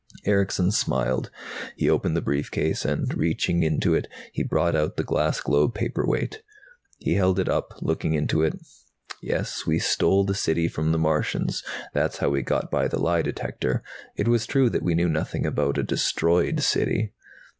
Erickson smiled. He opened the briefcase and reaching into it he brought out the glass globe paperweight. He held it up, looking into it. "Yes, we stole the City from the Martians. That's how we got by the lie detector. It was true that we knew nothing about a destroyed City."